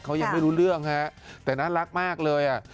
เขายังไม่รู้เรื่องฮะแต่น่ารักมากเลยอ่ะ